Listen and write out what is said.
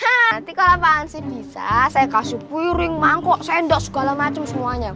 nanti kalo pak hansi bisa saya kasih piring mangkok sendok segala macem semuanya